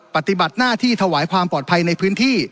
ปฏิบัติหน้าที่ถวายความปลอดภัยในพื้นที่